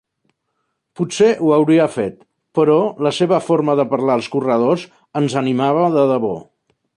Potser ho hauria fet, però la seva forma de parlar als corredors ens animava de debò.